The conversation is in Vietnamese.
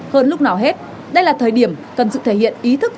hơn lúc nào hết đây là thời điểm cần sự thể hiện ý thức